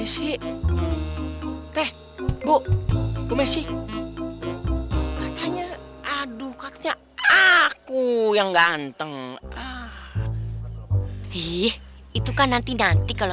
sih teh bu masih katanya aduh katanya aku yang ganteng itu kan nanti nanti kalau